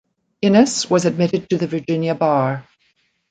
Innes was admitted to the Virginia bar.